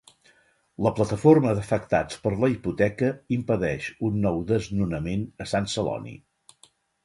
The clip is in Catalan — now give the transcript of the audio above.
La Plataforma d'Afectats per la Hipoteca impedeix un nou desnonament a Sant Celoni.